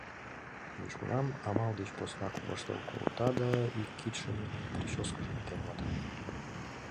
Южгунам амал деч поснак воштыл колта да ик кидше дене причёскыжым тӧрлата.